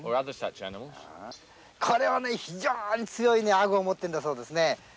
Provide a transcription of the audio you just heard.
これは非常に強い顎を持っているんだそうですね。